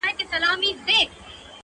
چي په خیال کي میکدې او خُمان وینم،